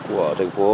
của thành phố